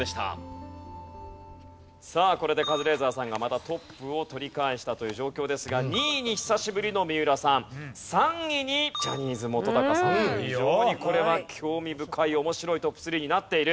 さあこれでカズレーザーさんがまたトップを取り返したという状況ですが２位に久しぶりの三浦さん３位にジャニーズ本さんという非常にこれは興味深い面白いトップ３になっている。